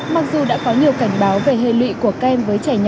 mặc dù đã có nhiều cảnh báo về hệ lụy của kem